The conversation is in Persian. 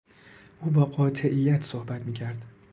او با قاطعیت صحبت میکرد.